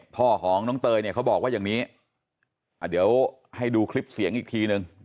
พ่อของน้องเตยเนี่ยเขาบอกว่าอย่างนี้เดี๋ยวให้ดูคลิปเสียงอีกทีนึง